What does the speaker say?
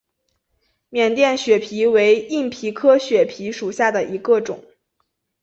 缅甸血蜱为硬蜱科血蜱属下的一个种。